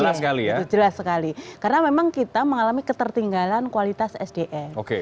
jelas sekali itu jelas sekali karena memang kita mengalami ketertinggalan kualitas sdm